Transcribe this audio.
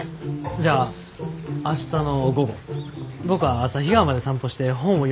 じゃあ明日の午後僕は旭川まで散歩して本を読むつもりじゃから。